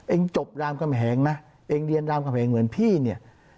จบรามกำแหงนะเองเรียนรามกำแหงเหมือนพี่เนี่ย